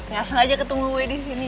ngasel aja ketemu boy disini